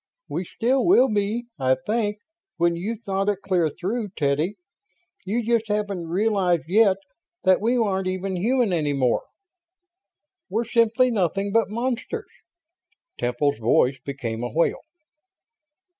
We still will be, I think, when you've thought it clear through, Teddy. You just haven't realized yet that we aren't even human any more. We're simply nothing but monsters!" Temple's voice became a wail.